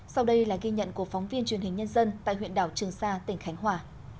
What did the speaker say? sau đây là ghi nhận của phóng viên truyền hình nhân dân tại huyện đảo trường sa tỉnh khánh hòa